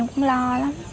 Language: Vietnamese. em cũng lo lắm